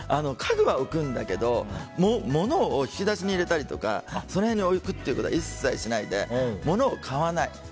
家具は置くんだけど物を引き出しに入れたりとかその辺に置くということは一切しないで、物を買わない。